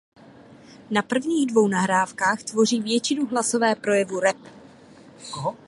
Na prvních dvou nahrávkách tvoří většinu hlasové projevu rap.